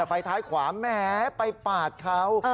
ฟ้ายท้ายขวามแม้ไปปาดเขา